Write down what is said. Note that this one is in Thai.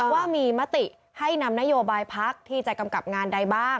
ว่ามีมติให้นำนโยบายพักที่จะกำกับงานใดบ้าง